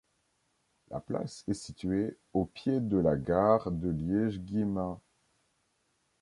La place est située au pied de la gare de Liège-Guillemins.